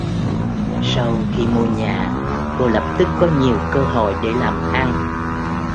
Sau khi mua nhà cô lập tức có nhiều cơ hội để làm ăn